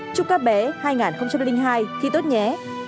chúc các bé hai nghìn hai thi tốt nhé